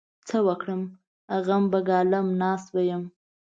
څه وکړم؟! غم به ګالم؛ ناست به يم.